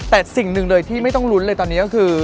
แต่สิ่งหนึ่งเลยที่ไม่ต้องลุ้นเลยตอนนี้ก็คือ